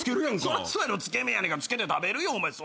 そらそうやろつけ麺やねんからつけて食べるよそんなんは。